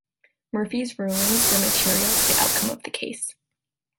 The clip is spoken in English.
Murphy's rulings were material to the outcome of the case.